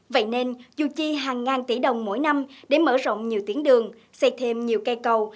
vậy nên dù chi hàng ngàn tỷ đồng mỗi năm để mở rộng nhiều tuyến đường xây thêm nhiều cây cầu